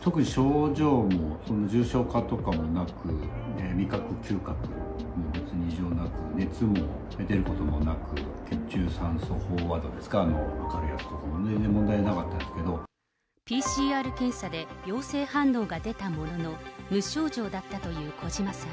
特に症状も、重症化とかもなく、味覚、嗅覚も別に異常なく、熱も出ることもなく、血中酸素飽和度ですか、あの測るとかも、ＰＣＲ検査で陽性反応が出たものの、無症状だったという児嶋さん。